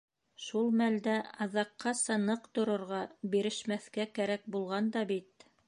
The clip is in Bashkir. Шул мәлдә аҙаҡҡаса ныҡ торорға, бирешмәҫкә кәрәк булған да бит.